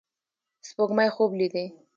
سپوږمۍ خوب لیدې